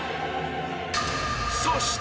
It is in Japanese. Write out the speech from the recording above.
そして